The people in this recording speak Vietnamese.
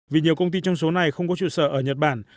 vì nhiều công ty trong số này không có trụ sở ở nhật bản